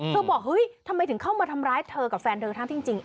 บอกเฮ้ยทำไมถึงเข้ามาทำร้ายเธอกับแฟนเธอทั้งจริง